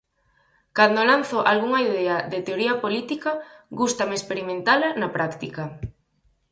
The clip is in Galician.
Cando lanzo algunha idea de teoría política gústame experimentala na práctica.